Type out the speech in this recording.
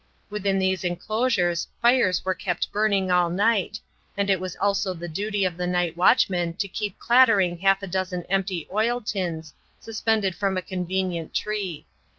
Within these enclosures fires were kept burning all night, and it was also the duty of the night watchman to keep clattering half a dozen empty oil tins suspended from a convenient tree.